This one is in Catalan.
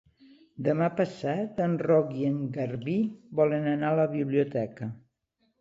Demà passat en Roc i en Garbí volen anar a la biblioteca.